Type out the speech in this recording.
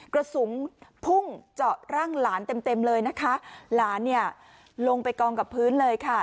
กระสุนพุ่งเจาะร่างหลานเต็มเต็มเลยนะคะหลานเนี่ยลงไปกองกับพื้นเลยค่ะ